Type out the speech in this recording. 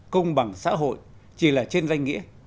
công bằng xã hội chỉ là trên danh nghĩa